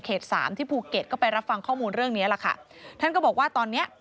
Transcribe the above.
สามที่ภูเก็ตก็ไปรับฟังข้อมูลเรื่องเนี้ยแหละค่ะท่านก็บอกว่าตอนเนี้ย